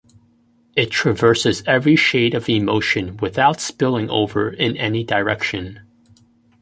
It traverses every shade of emotion without spilling over in any direction.